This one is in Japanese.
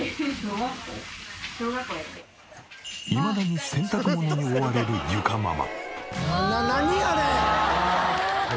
いまだに洗濯物に追われる裕佳ママ。